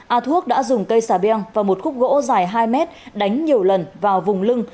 a thuốc đã dùng cây xà beng và một khúc gỗ dài hai mét đánh nhiều lần vào vùng lưng